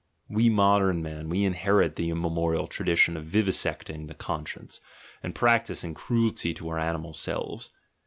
... We modern men, we inherit the immemorial tradition of vivisecting the conscience, and practising cruelty to our animal selves.